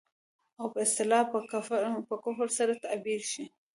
او په اصطلاح په کفر سره تعبير شي.